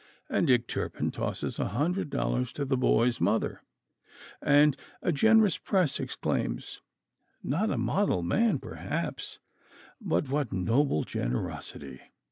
And Dick Turpin tosses a hundred dollars to the boy's mother, and a generous press exclaims, "Not a model man, perhaps; but what noble generosity!